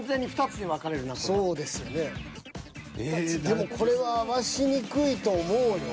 でもこれは合わしにくいと思うよ。